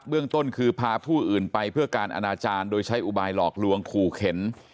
เรื่องต้นคือพาผู้อื่นไปเพื่อการอนาจารย์โดยใช้อุบายหลอกลวงขู่เข็น